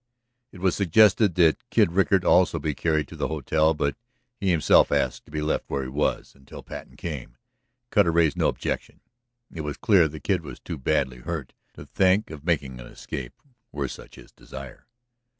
It was suggested that Kid Rickard also be carried to the hotel. But he himself asked to be left where he was until Patten came, and Cutter raised no objection. It was clear that the Kid was too badly hurt to think of making an escape, were such his desire.